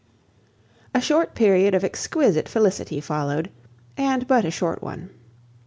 A short period of exquisite felicity followed, and but a short one.